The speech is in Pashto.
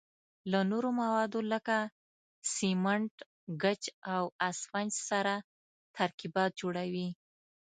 له نورو موادو لکه سمنټ، ګچ او اسفنج سره ترکیبات جوړوي.